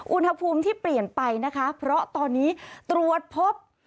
อุณหภูมิที่เปลี่ยนไปนะคะเพราะตอนนี้ตรวจพบ